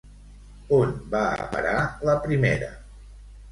On va a parar la primera?